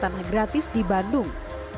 tanah gratis di bandung